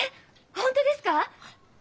本当ですか？